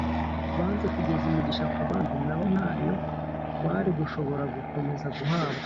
banze kugeza imigisha ku bandi, na bo ntayo bari gushobora gukomeza guhabwa